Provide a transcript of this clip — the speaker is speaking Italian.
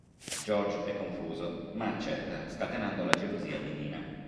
George è confuso ma accetta, scatenando la gelosia di Nina.